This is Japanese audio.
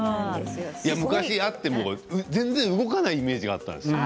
昔、あっても全然動かないイメージがあったんですよ。